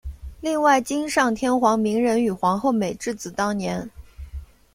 另外今上天皇明仁与皇后美智子当年。